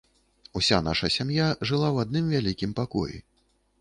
Уся наша сям'я жыла ў адным вялікім пакоі.